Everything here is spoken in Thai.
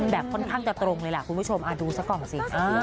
แบบค่อนข้างจะตรงเลยคุณผู้ชมดูสักกล่องสิ